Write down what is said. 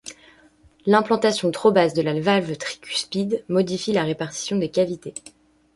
L'implantation trop basse de la valve tricuspide modifie la répartition des cavités.